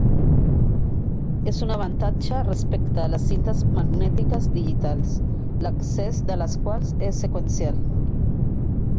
És un avantatge respecte a les cintes magnètiques digitals, l'accés de les quals és seqüencial.